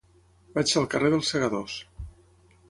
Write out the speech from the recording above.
Vaig al carrer dels Segadors.